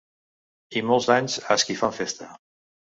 I molts d'anys as qui fan festa